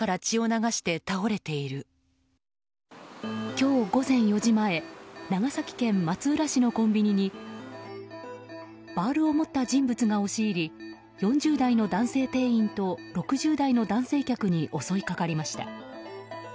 今日午前４時前長崎県松浦市のコンビニにバールを持った人物が押し入り４０代の男性店員と６０代の男性客に襲いかかりました。